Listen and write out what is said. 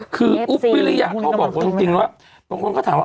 คืออุ๊บวิริยะเขาบอกจริงแล้วบางคนก็ถามว่า